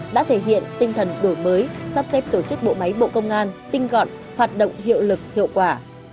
đã thể hiện tinh thần đổi mới sắp xếp tổ chức bộ máy bộ công an tinh gọn hoạt động hiệu lực hiệu quả